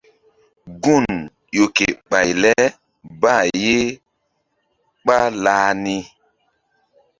Gun ƴo ke ɓay le bah ye ɓálah ni.